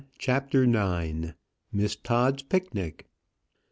CHAPTER IX. MISS TODD'S PICNIC.